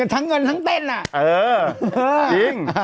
ทั้งเงินทั้งเต้นน่ะเออจริง